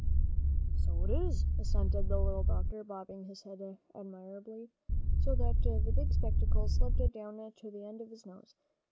"So it is," assented the little doctor, bobbing his head amiably, so that the big spectacles slipped down to the end of his nose.